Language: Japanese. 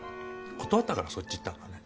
断ったからそっち行ったんだね。